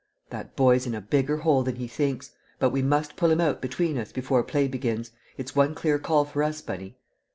"That boy's in a bigger hole than he thinks. But we must pull him out between us before play begins. It's one clear call for us, Bunny!"